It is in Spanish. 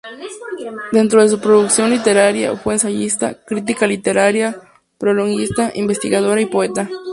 Dentro de su producción literaria, fue ensayista, crítica literaria, prologuista, investigadora y poeta.